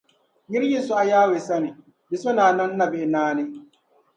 Nir’ yi sɔɣi Yawɛ sani, di so ni a niŋ nabihi naani.